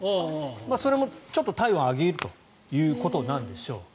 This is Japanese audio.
それもちょっと体温を上げるということなんでしょう。